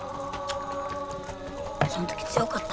そのとき強かった？